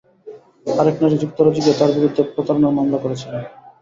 আরেক নারী যুক্তরাজ্যে গিয়ে তাঁর বিরুদ্ধে প্রতারণার মামলা করেছিলেন।